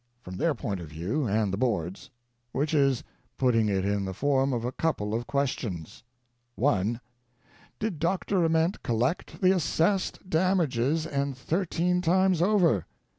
from their point of view and the Board's ; which is, putting it in the form of a couple of questions : 1. Did Dr. Ament collect the assessed damages and thirteen times over?